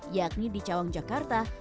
yakni di cawang jakarta